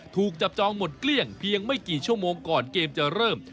ถูกจับจองหมดเกลี้ยงเพียงไม่กี่ชั่วโมงก่อนเกมจะเริ่ม